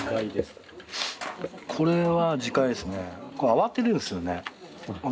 慌てるんですよね。